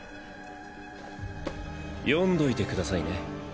読んどいて下さいね。